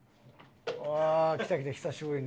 ああ来た来た久しぶりの。